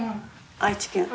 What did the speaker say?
愛知県か。